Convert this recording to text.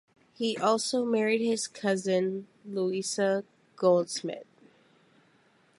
He also married his cousin - Louisa Goldsmid.